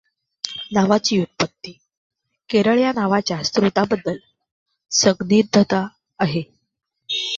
नावाची व्युत्पत्ती केरळ या नावाच्या स्रोताबद्दल संदिग्धता आहे.